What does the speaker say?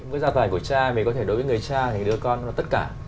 với gia tài của cha vì có thể đối với người cha thì đứa con nó tất cả